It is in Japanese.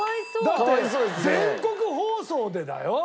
だって全国放送でだよ